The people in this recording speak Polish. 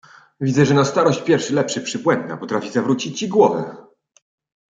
"Widzę, że na starość pierwszy lepszy przybłęda potrafi zawrócić ci głowę!"